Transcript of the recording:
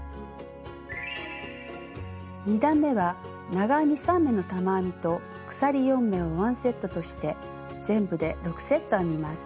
２段めは長編み３目の玉編みと鎖４目をワンセットとして全部で６セット編みます。